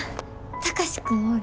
貴司君おる？